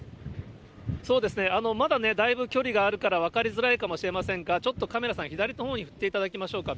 そうですね、まだだいぶ距離があるから分かりづらいかもしれませんが、ちょっとカメラさん、左のほうに行っていただきましょうか。